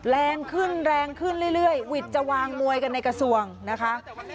แรงขึ้นแรงขึ้นเรื่อยวิทย์จะวางมวยกันในกระทรวงนะคะ